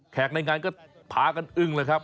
ในงานก็พากันอึ้งเลยครับ